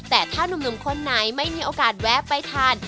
แต่ถ้านุ่มคนไหนไม่มีโอกาสแวะไปทาน